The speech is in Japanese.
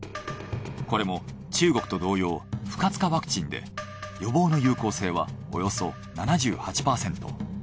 これも中国と同様不活化ワクチンで予防の有効性はおよそ７８％。